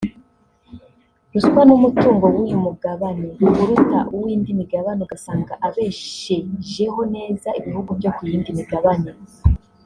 ruswa n’umutungo w’uyu mugabane uruta uw’indi migabane ugasanga ubeshejeho neza ibihugu byo ku yindi migabane